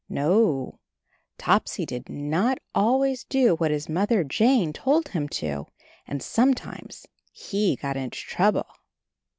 No, Topsy did not always do what his Mother Jane told him to, and sometimes he got into trouble.